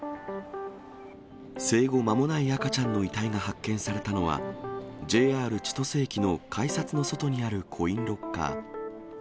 生後間もない赤ちゃんの遺体が発見されたのは、ＪＲ千歳駅の改札の外にあるコインロッカー。